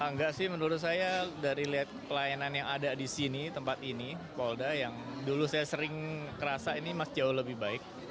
enggak sih menurut saya dari lihat pelayanan yang ada di sini tempat ini polda yang dulu saya sering kerasa ini masih jauh lebih baik